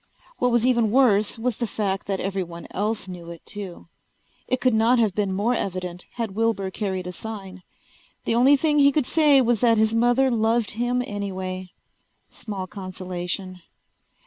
What was even worse was the fact that everyone else knew it too. It could not have been more evident had Wilbur carried a sign. The only thing he could say was that his mother loved him anyway. Small consolation.